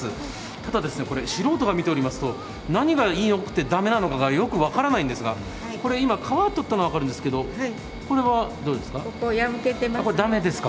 ただ、素人が見ておりますと何がよくて駄目なのかはよく分からないんですが、これ今、皮を取ったのは分かるんですけれども、これはどうですか。